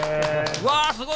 うわすごい！